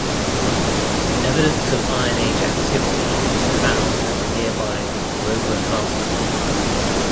Evidence of Iron Age activity can be found at the nearby Roborough Castle.